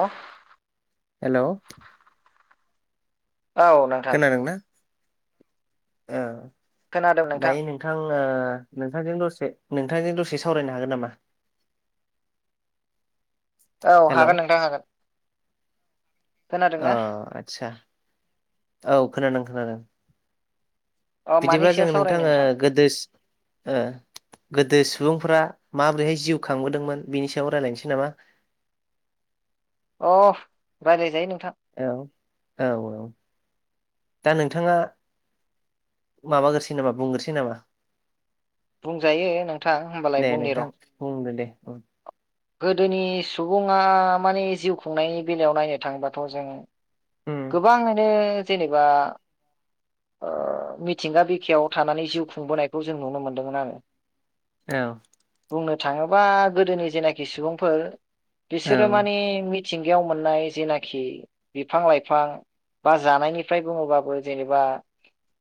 हा हेल' औ नोंथां खोनादोंना ओ दायो नोंथां ओ नोंथांजों दसे नोंथांजों दसे सावरायनो हागोन नामा? औ हागोन नोंथां हागोन। औ खोनादोंना आदसा औ खोनादों खोनादों अ मानि बिदिब्ला जों सायाव सावरायनो नोंथाङा नोंथां गोदो ओ गोदो सुबुंफोरा माबोरैहाय जिउ खांबोदोंमोन बेनि सायाव रायलायनोसै नामा? अ रायलाय जायो नों औ औ औ दा नोंथाङा माबाग्रोसै नामा बुंग्रोसै नामा? बुंजायो नोंथां होनोमबालाय दे बुंनि नोंथां र' बुंदो दे उम गोदोनि सुबुङा माने जिउ खुंनायनि बेलायाव नायनो थाङोबाथ जों गोबाङैनो जेनेबा ओ मिथिंगा बिखायाव थानानै जिउ खुंबोनायखौ जों नुनो मोनदोंमोन आंङो औ बुंनो थाङोबा गोदोनि जेनाखि सुबुंफोर औ बिसोरो माने मिथिंगायाव मोननाय जेनाखि बिफां-लाइ फां बा जानायनिफ्राय बुङोबाबो जेनेबा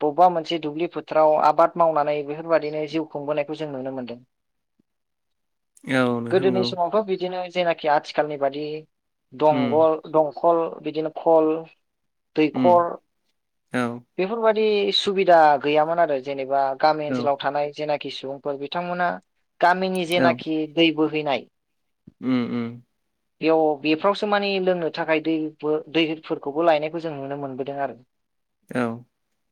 बबेबा मोनसे दुब्लि फोथाराव आबाद मावनानै बेफोरबाददिनो जिउ खुंबोनायखौ जों नुनो मोनदों [inaudible] औ नोंथां गोदोनि नंगौ समावथ' बिदिनो जेनाखि आथिखालनि बादि उम दंगल दंखल बिदिनो खल उम दैखर औ बेफोरबायदि सुबिदा गैयामोन आरो जेनेबा गामि औ ओनसोलाव थानाय जेनाखि सुबुंफोर बिथांमोना गामिनि औ जेनाखि दै बो हैनाय उम उम बेयाव बेफ्रावसो मानि लोंनो थाखाय दैबो दै फोरखौबो लायनायखौ जों नुनो मोनबोदों आरो औ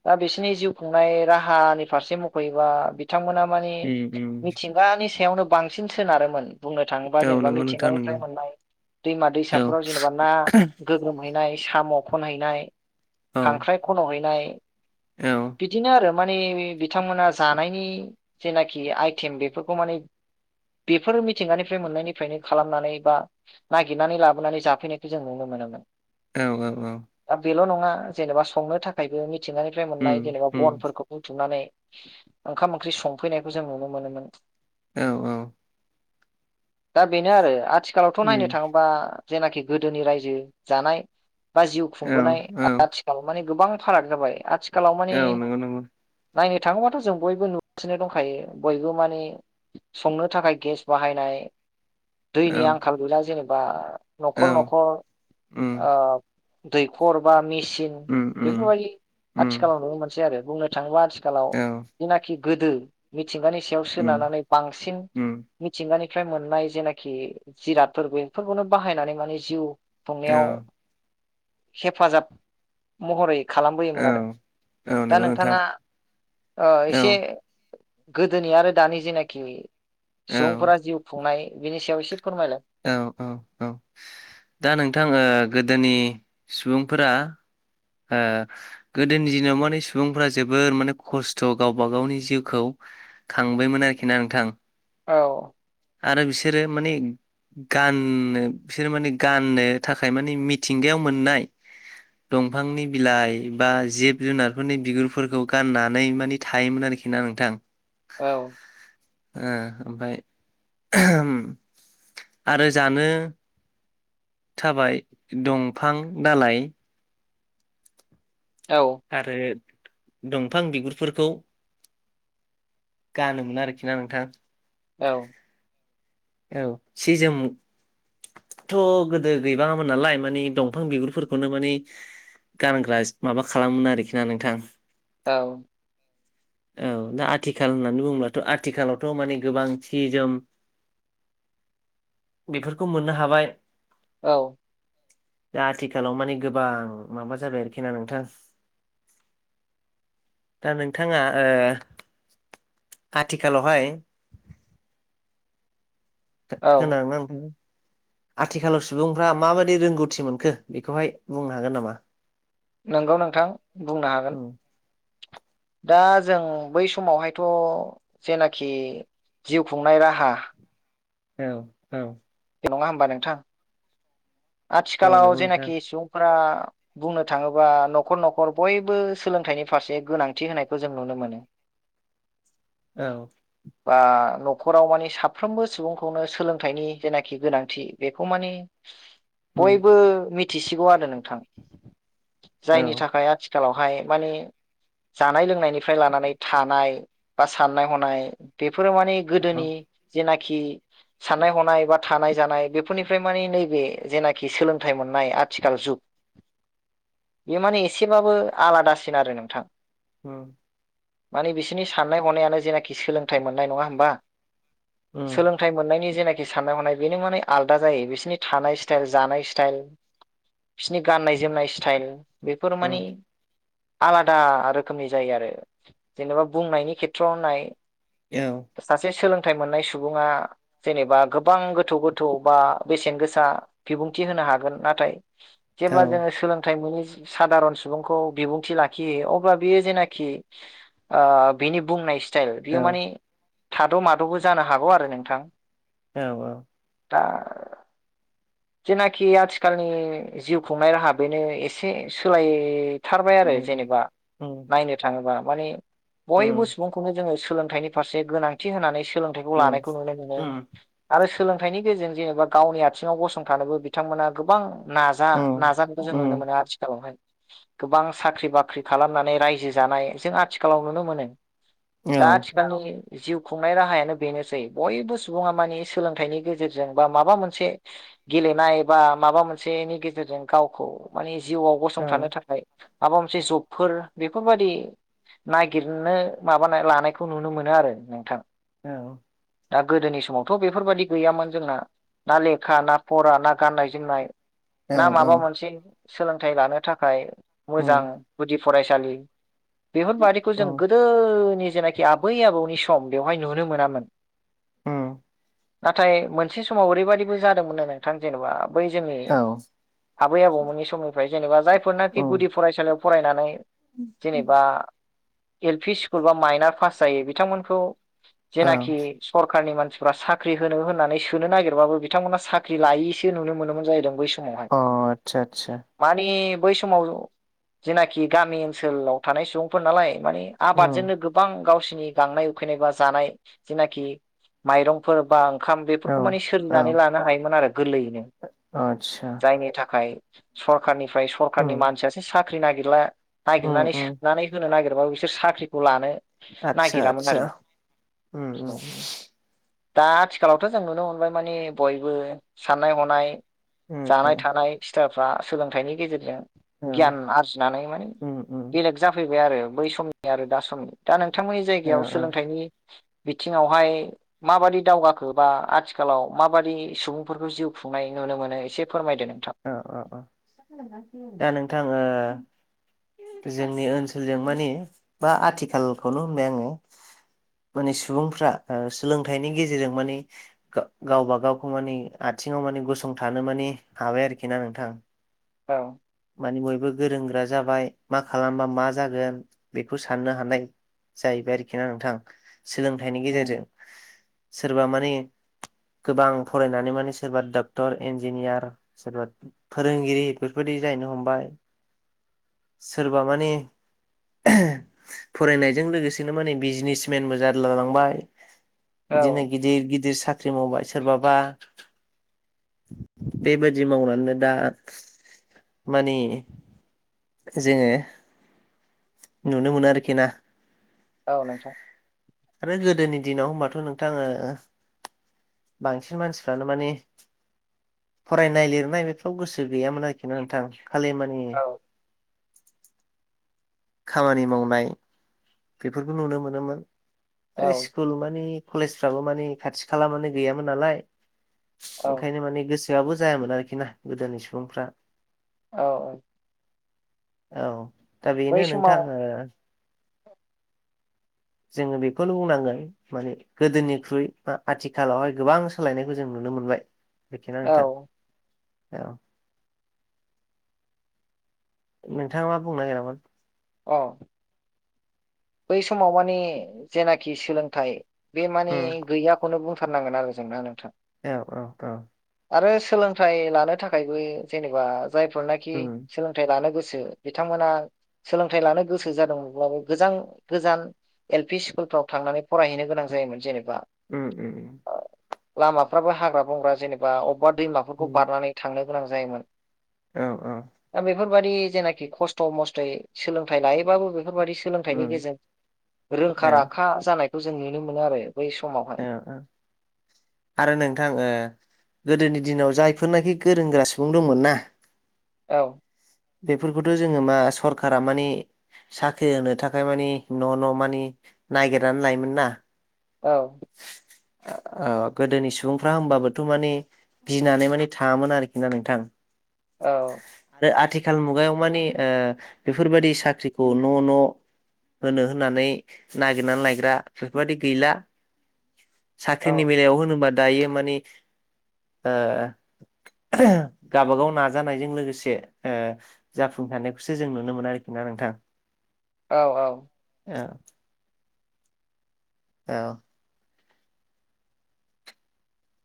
दा बिसोरनि जिउ खुंनाय राहानि फारसे मख'योबा बिथांमोना माने उम उम मिथिंगानि सायावनो बांसिन सोनारोमोन बुंनो थाङोबा औ जेनेबा नंगौ नोंथां नंगौ मिथिंगानिफ्राय मोननाय दैमा औ दैसाफोराव जेनेबा ना गोग्रोमहैनाय साम' खनहैनाय औ खांख्राय खनहनाय औ बिदिनो आरो माने बिथांमोना जानायनि जेनाखि आइटेम बेफोरखौ माने बेफोर मिथिंगानिफ्राय मोननायनिफ्रायनो खालामनानै बा नागिरनानै लाबोनानै जाफैनायखौ जों नुनो मोन मोनो मोन औ औ औ जेनेबा संनो थाखायबो मिथिंगानिफ्राय उम मोननाय जेनेबा उम बनफोरखौ बुथुमनानै ओंखाम ओंख्रि संफैनायखौ जों नुनो मोनोमोन औ औ दा बेनो आरो आथिखालावथ उम नायनो थाङोबा जेनाखि गोदोनि रायजो जानाय बा जिउ औ खुंबोनाय औ आथिखाल माने गोबां फाराग जाबाय आथि औ नंगौ नंगौ नायनो थाङोबाथ जों बयबो नुगासिनो दंखायो बयबो माने संनो थाखाय गेस बाहायनाय औ दैनि आंखाल गैला जेनेबा औ नखर नखर उम ओ दैखर बा मेसिन उम उम बेफोरबायदि उम आथिखालाव नुनो मोनसै आरो बुंनो थाङोब्ला आथिखालाव औ जेनाखि गोदो थिंगानि सायाव उम सोनारनानै बांसिन उम मिथिंगानि निफ्राय मोननाय जेनाखि जिरादफोर बेफोरखौनो बाहायनानै माने जिउ औ खुंनायाव हेफाजाब महरै औ खालामबोयोमोन आरो औ दा नंगौ नोंथां नोंथाङा ओ औ एसे गोदोनि आरो दानि जेनाखि औ सुबुंफोरा जिउ खुंनाय बिनि सायाव एसे फोरमायलाय औ औ औ दा नोंथां ओ गोदोनि सुबुंफोरा ओ गोदोनि दिनाव माने सुबुंफोरा जोबोर माने खस्थ गावबा गावनि जिउखौ खांबायमोन आरोखि ना नोंथां? औ आरो बिसोरो माने गाननो बिसोर माने गाननो थाखाय माने मिथिंगायाव मोननाय दंफांनि बिलाइ बा जिब जुनारफोरनि बिगुरफोरखौ गाननानै मानि थायोमोन आरो खिना नोंथां औ ओ ओमफ्राय आरो जानो थाबाय दंफां दालाइ औ आरो दंफां बिगुरफोरखौ गानोमोन आरोखि ना नोंथां? औ औ सिजोम थ गोदो गैबाङामोन नालाय माने दंफां बिगुरफोरखौनो माने गानग्रा माबा खालामोमोन आरोखि ना नोंथां? औ औ दा आथिखाल होननानै बुङोबथ आथिखालावथ' माने गोबां सि जोम बेफोरखौ मोननो हाबाय। औ दा आथिखालाव माने गोबां माबा जाबाय आरोखि ना नोंथां? दा नोंथाङा ओ आथिखालावहाय औ [unintelligible] आथिखालाव सुबुंफ्रा माबायदि रोंगौथि मोनखो बेखौहाय बुंनो हागोन नामा? नोंगौ नोंथां बुंनो औ हागोन। दा जों बै समावहायथ जेनाखि जिउ खुंनाय राहा औ औ। नङा होमबा नोंथां औ आथिखालाव नंगौ नोंथां जेनाखि सुबुंफोरा बुंनो थाङोबा न'खर न'खर बयबो सोलोंथाइनि फारसे गोनांथि होनायखौ जों नुनो मोनो। [inaudible] औ बा न'खराव मानि साफ्रोमबो सुबुंखौनो सोलोंथाइनि जेनाखि गोनांथि बेखौ मानि उम बयबो मिथिसिगौ आरो नोंथां। औ जायनि थाखाय आथिखालावहाय माने जानाय लोंनायनिफ्राय लानानै थानाय बा साननाय हनाय बेफोर बेफोराव माने गोदोनि जेनाखि साननाय हनाय बा थानाय जानाय बेफोरनिफ्राय मानि नैबे जेनाखि सोलोंथाइ मोननाय आथिखाल जुग बे माने एसेबाबो आलादासिन आरो नोंथां। उम माने बिसोरनि साननाय हनायानो जेनाखि सोलोंथाइ मोननाय नङा होमबा? उम सोलोंथाइ मोननायनि जेनाखि साननाय हनाय बेनो माने आलादा जायो बिसोरनि थानाय स्टाइल जानाय स्टाइल बिसिनि गाननाय जोमनाय स्टाइल बेफोर माने उम आलादा रोखोमनि जायो आरो जेनेबा बुंनायनि खेथ्रआव नो नाय औ सासे सोलोंथाइ मोननाय सुबुङा जेनेबा गोबां गोथौ गोथौ बा बेसेन गोसा बिबुंथि होनो हागोन नाथाय औ जेब्ला जोङो सोलोंथाइ मोनो सादारन सुबुंखौ बिबुंथि लाखियो अब्ला बियो जेनाखि बिनि बुंनाय स्टाइल बियो औ माने थाद' माद'बो जानो हागौ आरो नोंथां औ औ दा जेनाखि आथिखालनि जिउ खुंनाय राहा बेनो एसे सोलाय बुथारबाय आरो उम जेनेबा उम नायनो थाङोबा मानि उम बयबो सुबुंखौनो जोङो सोलोंथाइनि फारसे गोनांथि होनानै सोलोंथाइखौ उम लानायखौ नुनो मोनो। उम आरो सोलोंथाइनि गेजेरजों जेनेबा गावनि आथिङाव गसंथानोबो बिथांमोना गोबां नाजा उम नाजानायखौ जों नुनो मोनो उम आथिखालावहाय। गोबां साख्रि बाख्रि खालामनानै रायजो जानाय जों आथिखालाव नुनो मोनो। दा औ आथिखालिनि जिउ खुंनाय राहायानो बेनोसै बयबो सुबुङा मानि सोलोंथाइनि गेजेरजों बा माबा मोनसे गेलेनाय बा माबा मोनसेनि गेजेरजों गावखौ माने जिउआव गसंथानो औ थाखाय माबा मोनसे जबफोर बेफोरबादि नागिरनो माबानाय लानायखौ नुनो मोनो आरो नोंथां। औ दा गोदोनि समावथ' बेफोरबायाददि गैयामोन जोंना ना लेखा ना फरा ना गाननाय जोमनाय औ ना औ माबा मोनसे सोलोंथाइ लानो थाखाय मोजां उम गुदि फरायसालि बेफोर बादिखौ जों उम गोदोनि जेनाखि आबै आबौनि सम बेवहाय नुनो मोनामोन। औ नाथाय मोनसे समाव ओरैबायदिबो जादोंमोन नो नोंथां जेन'बा बै जोंनि औ आबै आबौमोननि समनिफ्राय जेनेबा जायफोरनाखि गुदि उम फरायसालियाव फरायनानै जेनेबा एल पि स्कुल बा माइनार पास जायो बिथांमोनखौ औ जेनाखि अ सरकारनि मानसि फ्रा साख्रि होनो होननानै सोनो नागिरबाबो बिथांमोना साख्रि लायैसो नुनो मोनोमोन जाहैदों बै सम मावहाय आतसा आतसा माने बै समाव जेनाखि गामि ओनसोलाव थानाय सुबुंफोर नालाय माने उम आबादजोंनो गोबां गावसिनि गांनाय उखै जेनेबा जानाय जेनाखि माइरंफोर बा ओं खाम औ बेफोरखौ माने औ सोरजिनानै लानो हायोमोन आरो गोरलैयैनो आतसा जायनि थाखाय सरकारनिफ्राय सरकारनि उम मानसियासो साख्रि नागिरला उम नागिरनानै उम सोनानै होनो नागिर बाबो बिसोर साख्रिखौ लानो आतसा नागिरामोन आतसा आरो उम उम दा आथिखालावथ' जों नुनो मोनबाय माने बयबो साननाय हनाय उम जानाय उम थानाय सिथाफ्रा सोलोंथाइनि गेजेरजों औ गियान आरजिनानै माने उम उम बेलेग जाफैबाय आरो बै समनि आरो दा समनि दा नों थांमोननि ओ जायगायाव ओ सोलोंथाइनि बिथिङावहाय माबादि दावगाखो बा आथिखालाव माबादि सुबुंफोरखौ जिउ खुंनाय नुनो मोनो एसे फोरमायदो नोंथां औ औ औ दा नोंथां ओ जोंनि ओनसोलजों माने बा आथिखालखौनो होनबाय आङो। माने सुबुंफ्रा ओ सोलोंथाइनि गेजेरजों माने गावबा गावखौ माने आ सिङाव माने गसंथानो माने हाबाय आरोखि ना नोंथां। औ माने बयबो गोरों गोरा जाबाय। मा खालामबा मा जागोन बेखौ साननो हानाय जाहैबाय आरोखि ना नोंथां। सोलोंथाइनि गेजेरजों सोरबा माने गोबां फरायनानै माने सोरबा डक्टर, इन्जिनियार सोरबा फोरोंगिरि बेफोरबायदि जा नो हमबाय सोरबा माने फरायनायजों लोगोसेनो माने बिजनेसमेनबो जारला लांबाय। औ बिदिनो गिदिर गिदिर साख्रि मावबाय सोरबाबा बेबायदि मावनानै दा माने जोङो नुनो मोनो आरोखि ना। औ नोंथां। आरो गोदोनि दिनाव होमबाथ' नोंथां बांसिन मानसिफ्रानो माने फरायनाय लिरनाय बेफोराव गोसो गैयामोन आरोखि ना नोंथां खालि माने औ खामानि मावनाय बेफोरखौ नुनो मोनोमोन औ स्कुल माने कलेजफ्राबो माने खाथि खाला माने गैयामोन नालाय। औ ओंखायनो माने गोसोआबो जायामोन आरोखि ना गोदोनि सुबुंफ्रा। औ औ। औ दा बै बेनो नोंथां समाव ओ जोङो बेखौल' बुंनांगोन माने गोदोनिख्रुइ बा आथिखालावहाय गोबां सोलायनायखौ जों नु नो मोनबाय। बेखिना औ नोंथां औ। नोंथाङा मा बुंनो नागिरामोन? अ बै समाव माने जेनाखि सोलोंथाइ बे माने उम गैयाखौनो बुं थारनांगोन आरो जों ना नोंथां। औ औ औ। आरो सोलोंथाइ लानो थाखायबो जेनेबा जायफोरनाखि उम सोलोंथाइ लानो गो सो बिथांमोना सोलोंथाइ लानो गोसो जादोंमोनब्लाबो गोजान गोजान एल पि स्कुलफ्राव थांनानै फरायहैनो गोनां जायोमोन जेने उम उम लामाफ्राबो हाग्रा बंग्रा जेनेबा अबेबा दैमाफोरखौ उम बारनानै थांनो गोनां जायोमोन। औ औ बेफोरबायादि जेनाखि खस्थ' मस्थयै सोलोंथाइ लायोबाबो बेफोरबायादि सोलोंथाइनि उम गेजेरजों रोंखा औ राखा जानायखौ जों नुनो मोनो आरो। बै समावहाय औ औ आरो नोंथां ओ गोदोनि दिनाव जायफोरनाखि गोरों गोरा सुबुं दंमोन ना औ बेफोरखौथ' जोङो मा सरखारा माने साख्रि होनो थाखाय माने न' न' माने नागिरनानै लायोमोन ना औ औ गोदोनि सुबुंफ्रा होमबाबोथ' माने गिनानै माने थाङामोन आरोखि ना नोंथां। औ। आरो आथिखाल मुगायाव मानि बेफोरबादि साख्रिखौ न' न' होनो होननानै नागिरनानै लायग्रा बेफोरबायादि गैला। औ साख्रिनि बेलायाव होनोबा दायो माने गावाबागाव नाजानायजों लोगोसे जाफुंसारनायखौसो जों नुनो मोनो आरोखि ना। ना नोंथां औ औ। ए। औ।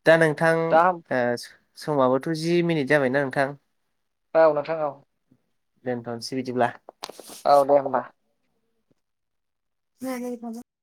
दा दा नोंथां समाबोथ' जि मिनिट जाबायना नोंथां। औ नोंथां औ। दोनथ'नोसै बिदिब्ला। औ दे होमबा। मानि बागै।